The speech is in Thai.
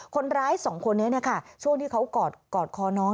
คนร้ายสองคนนี้ช่วงที่เขากอดคอน้อง